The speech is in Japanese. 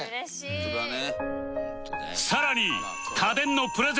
「ホントだね」